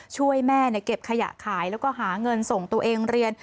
ช่วยแม่เก็บขยะขายแล้วก็หาเงินส่งตัวเองเรียน